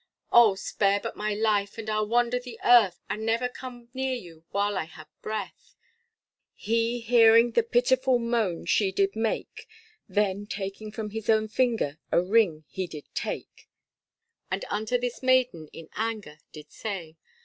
Oh! spare but my life and I'll wander the earth, And never come near you while I have breath. He hearing the pitiful moan she did make, Then from his own finger a ring he did take And unto this maiden in anger did say.